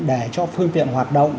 để cho phương tiện hoạt động